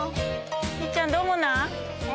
ひっちゃんどうもな。